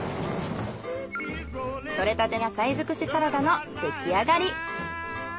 採れたて野菜づくしサラダの出来上がり。